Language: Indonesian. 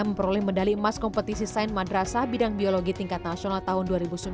memperoleh medali emas kompetisi sain madrasah bidang biologi tingkat nasional tahun dua ribu sembilan belas